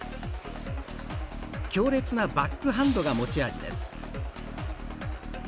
強烈なバックハンドが持ち味です。